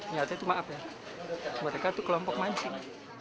nyata itu maaf ya mereka itu kelompok mancing